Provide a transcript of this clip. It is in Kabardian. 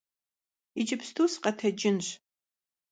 Yicıpstu sıkhetecınş.